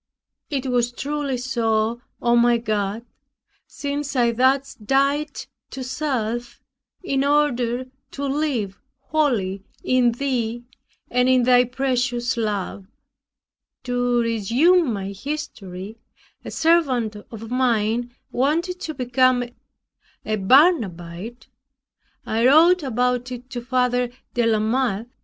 It was truly so, O my God, since I thus died to self, in order to live wholly in Thee, and in thy precious love. To resume my history, a servant of mine wanted to become a Barnabite. I wrote about it to Father de la Mothe.